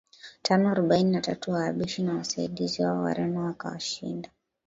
tano arobaini na tatu Wahabeshi na wasaidizi wao Wareno wakawashinda